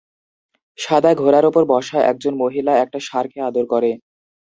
সাদা ঘোড়ার ওপর বসা একজন মহিলা একটা ষাঁড়কে আদর করে।